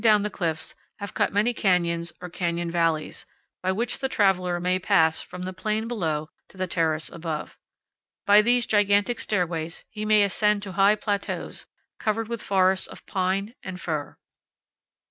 35 down the cliffs have cut many canyons or canyon valleys, by which the traveler may pass from the plain below to the terrace above. By these gigantic stairways he may ascend to high plateaus, covered with forests of pine and fir.